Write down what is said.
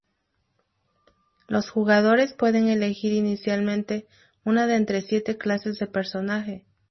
Los jugadores pueden elegir inicialmente una de entre siete clases de personaje.